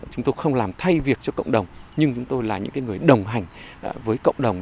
chúng tôi không làm thay việc cho cộng đồng nhưng chúng tôi là những người đồng hành với cộng đồng